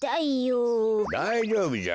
だいじょうぶじゃ。